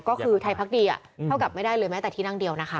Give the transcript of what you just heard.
ก็คือไทยพักดีเท่ากับไม่ได้เลยแม้แต่ที่นั่งเดียวนะคะ